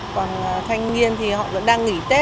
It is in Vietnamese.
còn thanh niên thì họ vẫn đang nghỉ tết